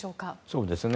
そうですね。